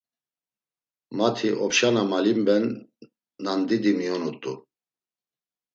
Mati opşa na malimben nandidi miyonut̆u.